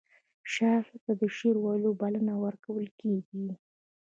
شاعر ته د شعر ویلو بلنه ورکول کیږي.